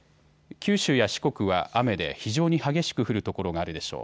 九州や四国は雨で非常に激しく降る所があるでしょう。